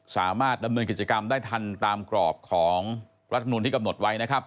สามารถทำเมืองกิจกรรมได้ทันตามกรอบของรัฐธรรมนูญที่กำหนดไว้